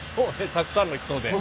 たくさんの人で。